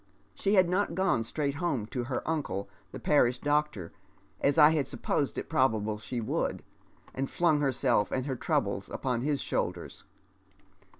She had not gone straight liome to her uncle, the parish doctor, as I had supposed it pro bable she would, and flung herself and her troubles upon his shoulders.